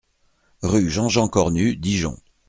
Rue Jean-Jean Cornu, Dijon